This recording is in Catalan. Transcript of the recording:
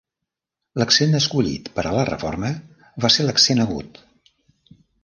L'accent escollit per a la reforma va ser l'accent agut.